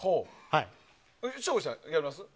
省吾さん、やります？